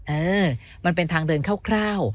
เออมันเป็นทางเดินคร่าว